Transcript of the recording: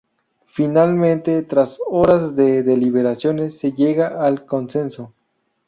Finalmente, tras horas de deliberaciones se llega al consenso.